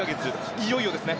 いよいよですね。